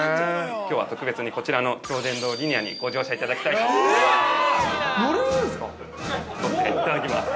◆きょうは特別にこちらの超電導リニアにご乗車いただきたいと思います。